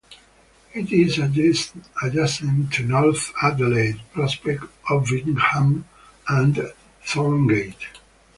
It is adjacent to North Adelaide, Prospect, Ovingham and Thorngate.